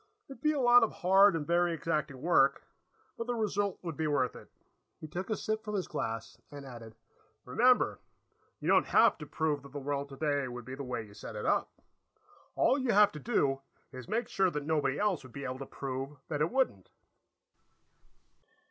It would be a lot of hard and very exacting work, but the result would be worth it." He took a sip from his glass and added: "Remember, you don't have to prove that the world today would be the way you set it up. All you have to do is make sure that nobody else would be able to prove that it wouldn't."